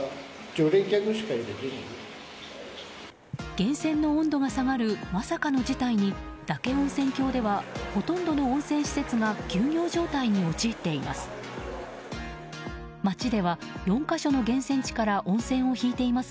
源泉の温度が下がるまさかの事態に嶽温泉郷ではほとんどの温泉施設が休業状態に陥っています。